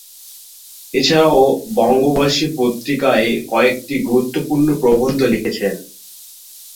এছাড়াও 'বঙ্গবাসী' পত্রিকায় কয়েকটি গুরুত্বপূর্ণ প্রবন্ধ লিখেছিলেন।